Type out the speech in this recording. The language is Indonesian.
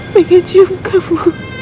pengen cium kamu